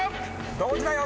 同時だよ